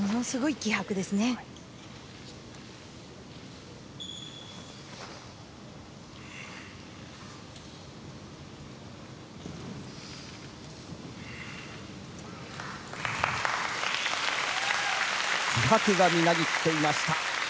気迫がみなぎっていました。